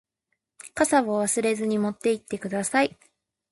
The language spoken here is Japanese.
傘を忘れずに持って行ってください。